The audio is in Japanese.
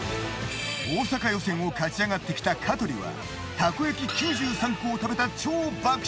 大阪予選を勝ち上がってきた香取はたこ焼き９３個を食べた超爆